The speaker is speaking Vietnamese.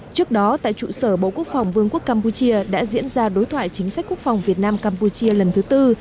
trước đó tại trụ sở bộ quốc phòng vương quốc campuchia đã diễn ra đối thoại chính sách quốc phòng việt nam campuchia lần thứ tư